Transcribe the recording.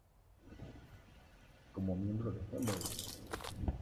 Como miembro de Hello!